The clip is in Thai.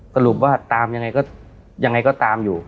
สรุปว่าตามยังไงก็ตามอยู่